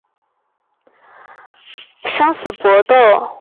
该片讲述黑社会李鸿声等人和警察王维之间的生死搏斗。